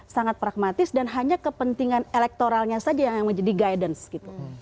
sangat pragmatis dan hanya kepentingan elektoralnya saja yang menjadi guidance gitu